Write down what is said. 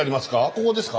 ここですか？